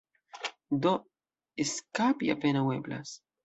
Do, eskapi apenaŭ eblas.